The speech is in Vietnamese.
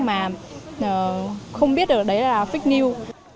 mà không biết được đấy là fake news